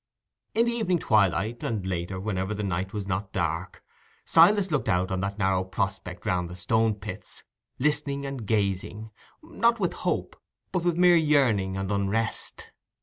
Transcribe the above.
In the evening twilight, and later whenever the night was not dark, Silas looked out on that narrow prospect round the Stone pits, listening and gazing, not with hope, but with mere yearning and unrest.